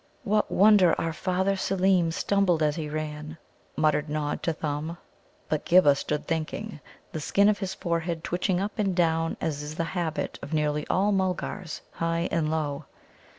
"What wonder our father Seelem stumbled as he ran?" muttered Nod to Thumb. But Ghibba stood thinking, the skin of his forehead twitching up and down, as is the habit of nearly all Mulgars, high and low.